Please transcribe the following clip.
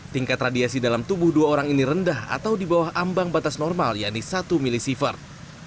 tingkat radiasi dalam tubuh dua orang ini rendah atau di bawah ambang batas normal yaitu satu milisievert